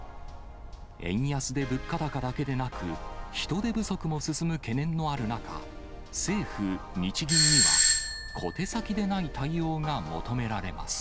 円安で物価高だけでなく、人手不足も進む懸念もある中、政府・日銀には、小手先でない対応が求められます。